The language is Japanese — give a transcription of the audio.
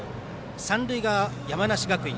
三塁側、山梨学院。